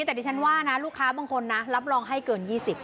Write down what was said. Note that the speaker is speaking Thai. แต่ดิฉันว่านะลูกค้าบางคนนะรับรองให้เกิน๒๐